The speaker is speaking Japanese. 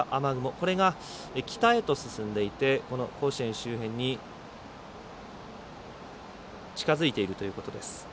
これが、北へと進んでいて甲子園周辺に近づいているということです。